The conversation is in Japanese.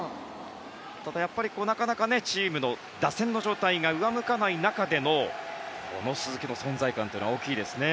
ただ、やっぱりなかなかチームの打線の状態が上向かない中でのこの鈴木の存在感というのは大きいですね。